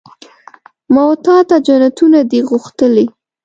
ما وتا ته جنتونه دي غوښتلي